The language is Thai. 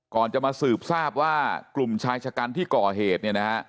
ก่อนจะมาสืบทราบว่ากลุ่มชายชะกันที่ก่อเหตุ